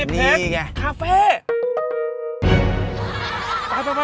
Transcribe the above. นี่ไงเพชรคาเฟ่